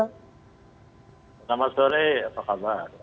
selamat sore apa kabar